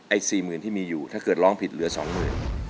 ไอ้๔๐๐๐๐ที่มีอยู่ถ้าเกิดร้องผิดเหลือ๒๐๐๐๐